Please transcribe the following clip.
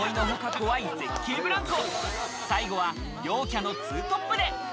怖い絶景ブランコ。